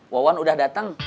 wawan udah datang